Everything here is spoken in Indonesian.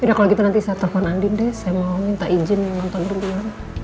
yaudah kalau gitu nanti saya telepon anding deh saya mau minta izin nonton video nya